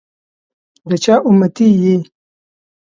دچا اُمتي يی؟